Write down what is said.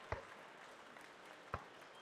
আমি এই ক্যাম্পের ম্যানেজার।